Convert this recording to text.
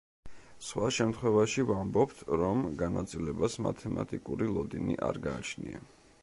სხვა შემთხვევაში ვამბობთ, რომ განაწილებას მათემატიკური ლოდინი არ გააჩნია.